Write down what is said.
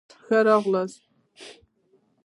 ښه راغلاست.